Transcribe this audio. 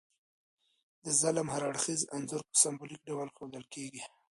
د ظلم هر اړخیز انځور په سمبولیک ډول ښودل کیږي.